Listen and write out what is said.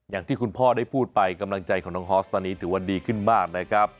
อย่างที่คุณพ่อได้พูดไปกำลังใจของน้องฮอสตอนนี้ถือว่าดีขึ้นมากนะครับ